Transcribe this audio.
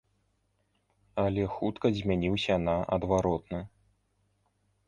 Але хутка змяніўся на адваротны.